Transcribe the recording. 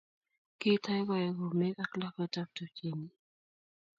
kiitou kue komek ak lakwetab tupchenyin